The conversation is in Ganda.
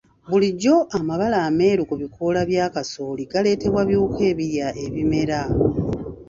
Bulijjo amabala ameeru ku bikoola bya kasooli galeetebwa biwuka ebirya ebimera.